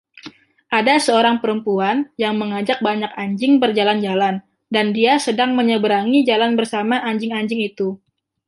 Ada seorang perempuan yang mengajak banyak anjing berjalan-jalan dan dia sedang menyeberangi jalan bersama anjing-anjing itu.